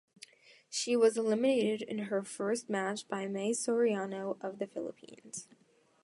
She was eliminated in her first match by Mae Soriano of the Philippines.